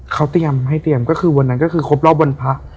เขาเตรียมให้เตรียมก็คือวันนั้นก็คือครบรอบวันพระ